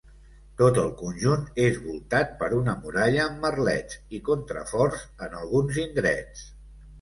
Tot el conjunt és voltat per una muralla amb merlets i contraforts en alguns indrets.